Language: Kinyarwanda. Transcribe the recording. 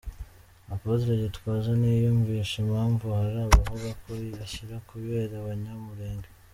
Apotre Gitwaza ntiyiyumvisha impamvu hari abavuga ko ashyira ku ibere abanyamulenge .